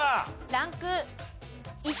ランク１。